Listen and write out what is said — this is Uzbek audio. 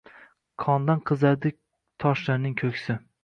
Qondan qizargandi toshlarning ko’ksi